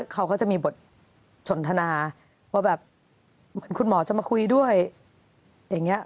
เขาก็จะมีบทสนทนาว่าแบบคุณหมอจะมาคุยด้วย